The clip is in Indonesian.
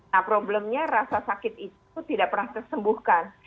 nah problemnya rasa sakit itu tidak pernah tersembuhkan